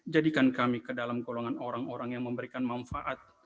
jadikan kami ke dalam golongan orang orang yang memberikan manfaat